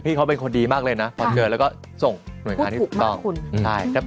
พี่เขาเป็นคนดีมากเลยนะพอเจอแล้วก็ส่งหน่วยค้านี้ต้องพูดถูกมากคุณ